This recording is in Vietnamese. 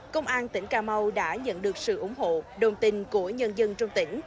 công an tỉnh cà mau đã nhận được sự ủng hộ đồng tình của nhân dân trong tỉnh